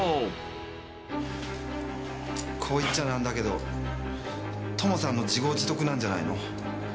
こう言っちゃ何だけどトモさんの自業自得なんじゃないの？